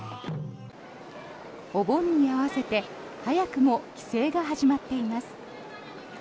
お盆に合わせて早くも帰省が始まっています。